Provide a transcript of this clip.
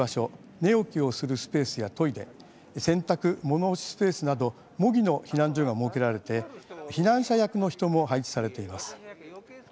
寝起きをするスペースやトイレ洗濯、物干しスペースなど模擬の避難所が設けられて避難者役の人も配置されています。